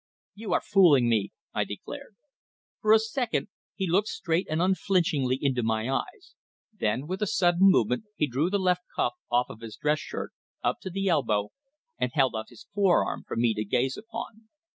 "You are fooling me," I declared. For a second he looked straight and unflinchingly into my eyes, then with a sudden movement he drew the left cuff of his dress shirt up to the elbow and held out his forearm for me to gaze upon.